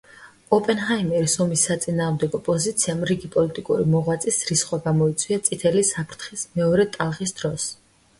ოპენჰაიმერის ომის საწინააღმდეგო პოზიციამ რიგი პოლიტიკური მოღვაწის რისხვა გამოიწვია წითელი საფრთხის მეორე ტალღის დროს.